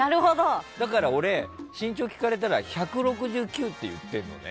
だから俺、身長聞かれたら１６９って言ってるのね。